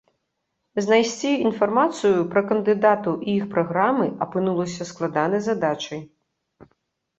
Знайсці інфармацыю пра кандыдатаў і іх праграмы апынулася складанай задачай.